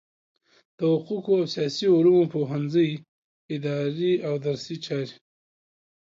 د حقوقو او سیاسي علومو پوهنځی اداري او درسي چارې